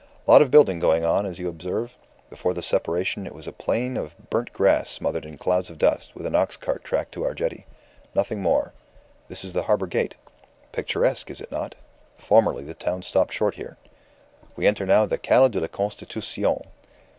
"Lot of building going on, as you observe. Before the Separation it was a plain of burnt grass smothered in clouds of dust, with an ox cart track to our Jetty. Nothing more. This is the Harbour Gate. Picturesque, is it not? Formerly the town stopped short there. We enter now the Calle de la Constitucion.